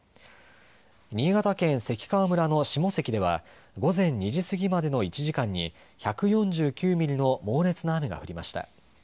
新潟県関川村の下関では午前２時過ぎまでの１時間に１４９ミリの猛烈な雨が降りました。